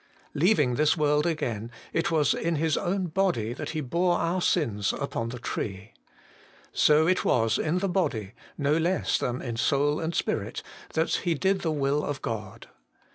Leaving this world again, it was in His own body that He bore our sins upon the tree. So it was in the body, no less than in soul and spirit, that He did the will of God.